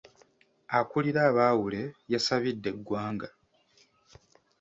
Akulira abaawule yasabidde eggwanga.